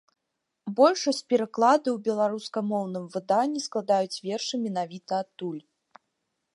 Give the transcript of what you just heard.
Большасць перакладаў у беларускамоўным выданні складаюць вершы менавіта адтуль.